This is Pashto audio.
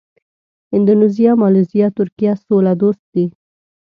اندونیزیا، مالیزیا، ترکیه سوله دوست دي.